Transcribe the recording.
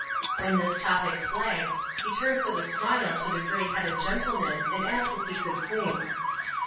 When this topic flagged, he turned with a smile to the grey headed gentleman, and asked if he could sing.